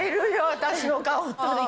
私の顔。